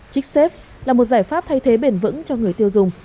trích xếp là một giải pháp thay thế bền vững cho người tiêu dùng